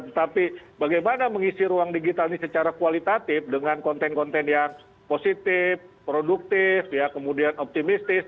tetapi bagaimana mengisi ruang digital ini secara kualitatif dengan konten konten yang positif produktif kemudian optimistis